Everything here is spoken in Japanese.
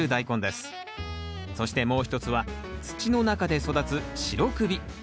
そしてもう一つは土の中で育つ白首。